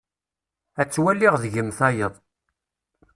Ad twaliɣ deg-m tayeḍ.